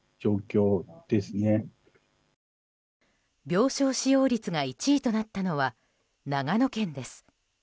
病床使用率が１位となったのは長野県です。